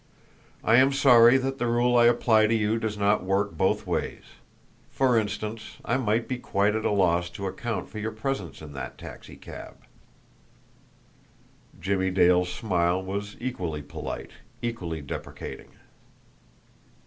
"I am sorry that the rule I apply to you does not work both ways. For instance, I might be quite at a loss to account for your presence in that taxicab." Jimmie Dale's smile was equally polite, equally deprecating.